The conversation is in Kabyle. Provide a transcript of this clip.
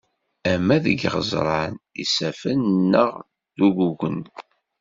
Ama deg yiɣeẓran, isaffen neɣ uggugen.